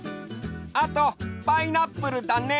あとパイナップルだね。